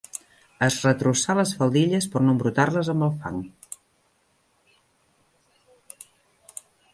Es retrossà les faldilles per no embrutar-les amb el fang.